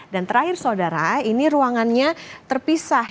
dan terakhir saudara ini ruangannya terpisah